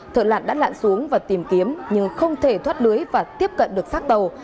thợ lặn đã lặn xuống và tìm kiếm nhưng không thể thoát lưới và tiếp cận được xác tàu